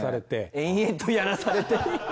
延々とやらされて。